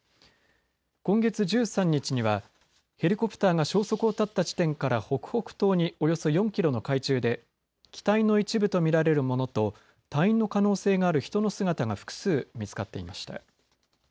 今月１３日にはヘリコプターが消息を絶った地点から北北東におよそ４キロの海中で機体の一部と見られるものと隊員の可能性がある人の姿が複数見つかっていました。